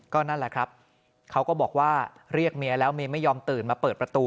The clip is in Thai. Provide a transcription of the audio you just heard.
นั่นแหละครับเขาก็บอกว่าเรียกเมียแล้วเมียไม่ยอมตื่นมาเปิดประตู